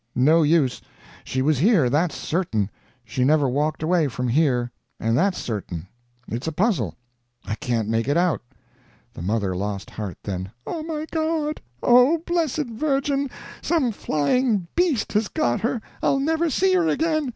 "No use. She was here that's certain; she never walked away from here and that's certain. It's a puzzle; I can't make it out." The mother lost heart then. "Oh, my God! oh, blessed Virgin! some flying beast has got her. I'll never see her again!"